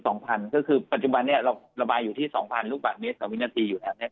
ก็คือปัจจุบันนี้เราระบายอยู่ที่๒๐๐๐ลูกบาทเมตรกว่าวินาทีอยู่แหละนะครับ